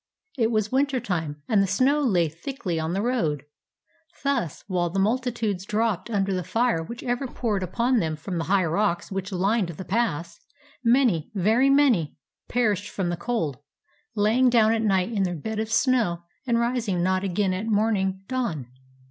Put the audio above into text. It was winter time, and the snow lay thickly on the road. Thus while the mul titudes dropped under the fire which ever poured upon them from the high rocks which fined the Pass, many, very many, perished from the cold, lying down at night in their bed of snow, and rising not again at morning dawn.